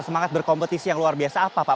semangat berkompetisi yang luar biasa apa pak